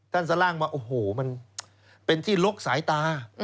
สล่างว่าโอ้โหมันเป็นที่ลกสายตา